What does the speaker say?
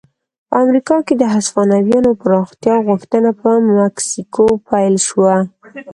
په امریکا کې د هسپانویانو پراختیا غوښتنه په مکسیکو پیل شوه.